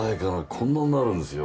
こんななるんですよ。